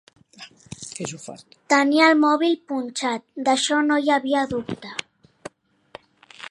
Tenia el mòbil punxat, d'això no hi havia dubte.